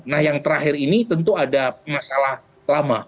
nah yang terakhir ini tentu ada masalah lama